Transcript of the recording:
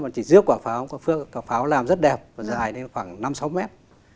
mà chỉ dước quả pháo quả pháo làm rất đẹp và dài đến khoảng năm sáu mét